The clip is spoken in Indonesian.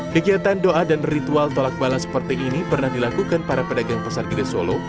kegiatan doa dan ritual tolak bala seperti ini pernah dilakukan para pedagang pasar gede solo